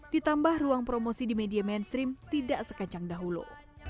ditambah ruang promosi di media mainstream tidak sekencang dahulu